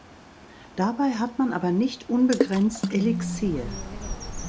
Dabei hat man aber nicht unbegrenzt Elixier.